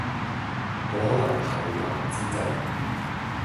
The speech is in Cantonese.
好可能係難民簽證